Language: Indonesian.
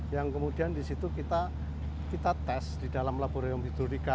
yang kemudian di situ kita tes di dalam laboratorium hitorika